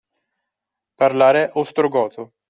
Parlare ostrogoto.